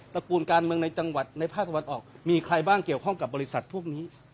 ระกูลการเมืองในจังหวัดในภาคตะวันออกมีใครบ้างเกี่ยวข้องกับบริษัทพวกนี้